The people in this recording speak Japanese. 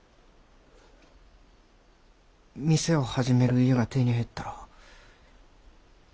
店を始める家が手に入ったら。